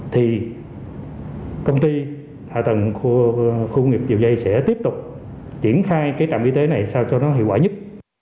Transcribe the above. thì công ty hạ tầng khu nghiệp chiều dây sẽ tiếp tục triển khai cái trạm y tế này sao cho nó hiệu quả nhất